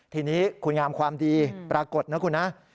ทีนี้คุณงามความดีปรากฏนะคุณนะ